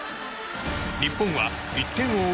日本は１点を追う